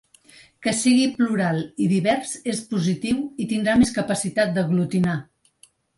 Que sigui plural i divers és positiu i tindrà més capacitat d’aglutinar.